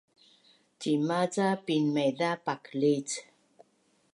Cima ca pinmaiza paklic?